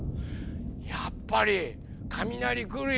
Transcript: やっぱりかみなりくるよ！